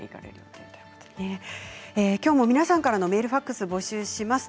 きょうも皆さんからのメール、ファックスを募集します。